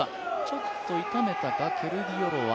ちょっと痛めたか、ケルディヨロワ。